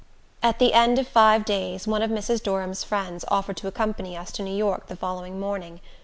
At the end of five days, one of Mrs. Durham's friends offered to accompany us to New York the following morning.